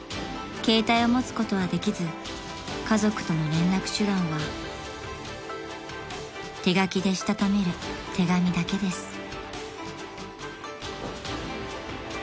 ［携帯を持つことはできず家族との連絡手段は手書きでしたためる手紙だけです］